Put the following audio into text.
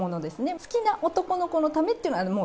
好きな男の子のためっていうのは、もう